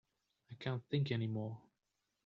I can't think any more.